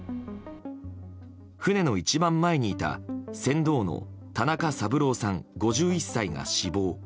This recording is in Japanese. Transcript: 船の一番前にいた船頭の田中三郎さん、５１歳が死亡。